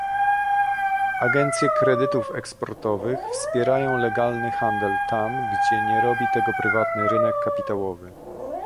Agencje kredytów eksportowych wspierają legalny handel tam, gdzie nie robi tego prywatny rynek kapitałowy